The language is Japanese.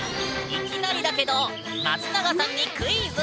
いきなりだけど松永さんにクイズ。